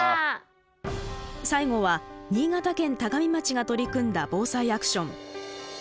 最後は新潟県・田上町が取り組んだ防災アクション。